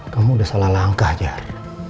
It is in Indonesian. kamu udah salah langkah jahat